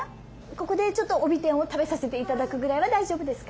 ここでちょっとおびてんを食べさせていただくぐらいは大丈夫ですか？